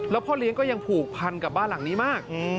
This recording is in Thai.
พ่อเลี้ยงก็ยังผูกพันกับบ้านหลังนี้มาก